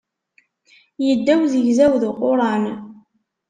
Yedda uzegzaw d uquran.